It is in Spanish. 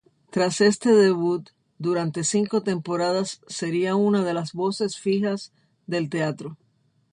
Tras este debut, durante cinco temporadas sería una de las voces fijas del teatro.